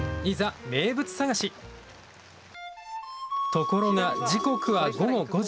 ところが時刻は午後５時。